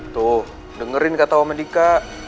tuh dengerin kata om edhika